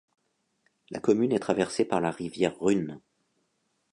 La commune est traversée par la rivière Rûnes.